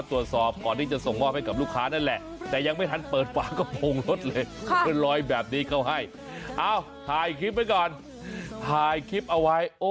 ตอนนี้จะส่งมอบให้กับลูกค้านั่นแหละ